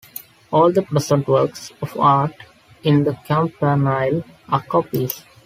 All the present works of art in the campanile are copies.